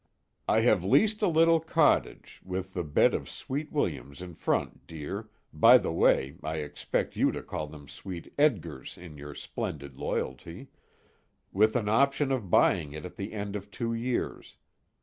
"I have leased the little cottage, with the bed of sweet williams in front, dear by the way, I expect you to call them sweet Edgars in your splendid loyalty with an option of buying it at the end of two years.